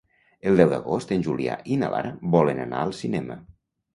El deu d'agost en Julià i na Lara volen anar al cinema.